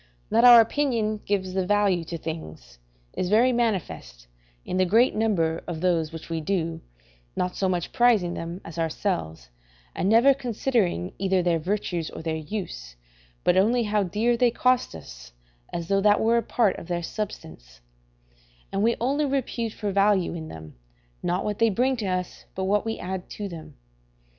That our opinion gives the value to things is very manifest in the great number of those which we do, not so much prizing them, as ourselves, and never considering either their virtues or their use, but only how dear they cost us, as though that were a part of their substance; and we only repute for value in them, not what they bring to us, but what we add to them.